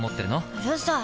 うるさい！